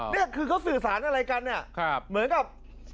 นี่คือเขาสื่อสารอะไรกันเนี่ยเหมือนกับ